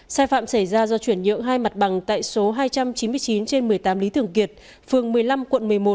sai phạm xảy ra do chuyển nhượng hai mặt bằng tại số hai trăm chín mươi chín trên một mươi tám lý thường kiệt phường một mươi năm quận một mươi một